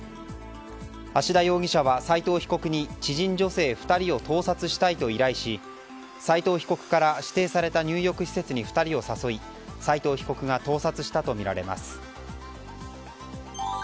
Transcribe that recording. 芦田容疑者は斉藤被告に知人女性２人を盗撮したいと依頼し斉藤被告から指定された入浴施設に２人を誘い斉藤被告が盗撮したとみられます。